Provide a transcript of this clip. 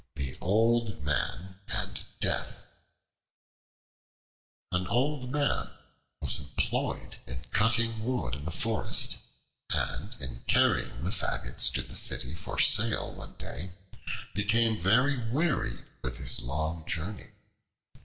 The Old Man and Death AN OLD MAN was employed in cutting wood in the forest, and, in carrying the faggots to the city for sale one day, became very wearied with his long journey.